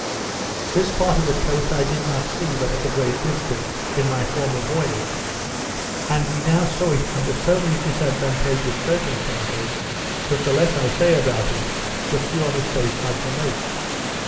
This part of the coast I did not see, but at a great distance, in my former voyage; and we now saw it under so many disadvantageous circumstances, that the less I say about it, the fewer mistakes I shall make.